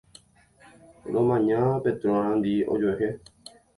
Romaña Petrona-ndi ojuehe.